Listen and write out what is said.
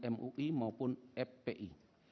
mui maupun fpi